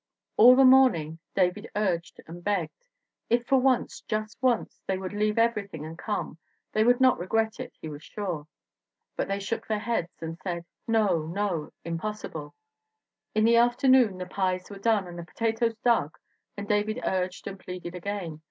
All the morning David urged and begged. If for once, just once, they would leave everything and come, they would not regret it, he was sure. But they shook their heads and said, U4 THE WOMEN WHO MAKE OUR NOVELS 'No, no, impossible.' In the afternoon the pies were done and the potatoes dug and David urged and pleaded again.